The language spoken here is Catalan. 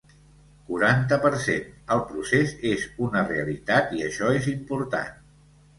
Quaranta per cent El procés és una realitat i això és important.